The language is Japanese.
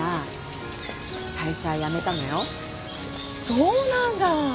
そうなんだ。